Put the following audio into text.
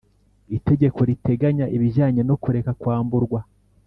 Itegeko riteganya ibijyanye no kureka kwamburwa